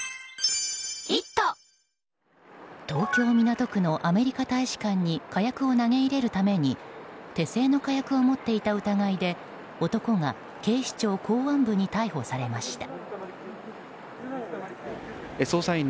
東京・港区のアメリカ大使館に火薬を投げ入れるために手製の火薬を持っていた疑いで男が警視庁公安部に逮捕されました。